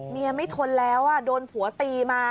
เมียไม่ทนแล้วโดนผัวตีมา